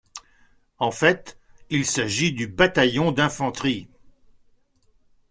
En fait, il s'agit du Bataillon d'infanterie.